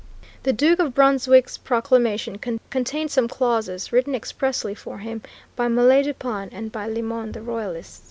The Duke of Brunswick's proclamation contained some clauses written expressly for him by Mallet du Pan, and by Limon the Royalist.